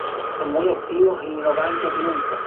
Son muy activos y no paran casi nunca.